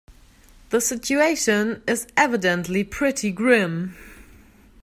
The situation is evidently pretty grim.